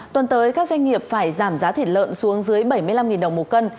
tuần tới các doanh nghiệp phải giảm giá thịt lợn xuống dưới bảy mươi năm đồng một cân